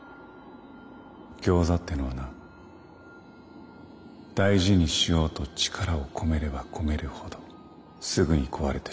ギョーザってのはな大事にしようと力を込めれば込めるほどすぐに壊れてしまう。